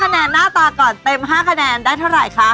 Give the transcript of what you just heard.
คะแนนหน้าตาก่อนเต็ม๕คะแนนได้เท่าไหร่คะ